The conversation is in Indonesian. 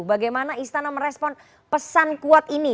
bagaimana istana merespon pesan kuat ini